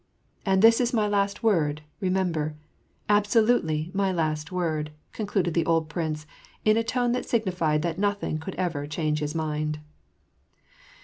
And this is my last word, remember; absolutely my last word," concluded the old prince, in a tone that signified that nothing could ever change his mind.